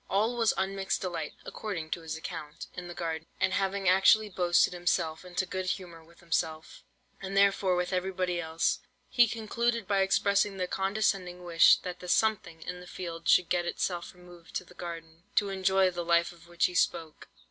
"All was unmixed delight (according to his account) in the garden, and having actually boasted himself into good humour with himself, and therefore with everybody else, he concluded by expressing the condescending wish, that the 'something' in the field should get itself removed to the garden, to enjoy the life of which he spoke.